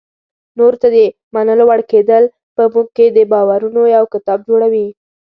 نورو ته د منلو وړ کېدل په موږ کې د باورونو یو کتاب جوړوي.